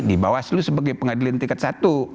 di bawaslu sebagai pengadilan tingkat satu